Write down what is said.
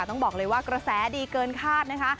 ต้องบอกเลยว่ากระแสดีเกินคาดนะคะ